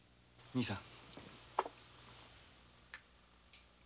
兄さん！